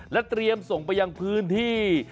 และเตรียมส่งไปยังพื้นที่